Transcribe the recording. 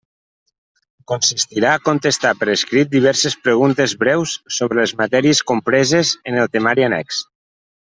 Consistirà a contestar per escrit diverses preguntes breus sobre les matèries compreses en el temari annex.